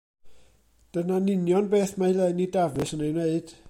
Dyna'n union beth mae Lenni Dafis yn ei wneud.